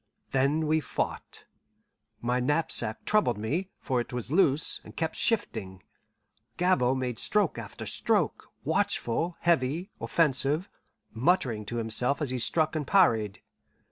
Then we fought. My knapsack troubled me, for it was loose, and kept shifting. Gabord made stroke after stroke, watchful, heavy, offensive, muttering to himself as he struck and parried.